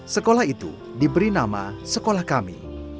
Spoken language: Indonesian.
sekolah itu diberi nama sekolah kami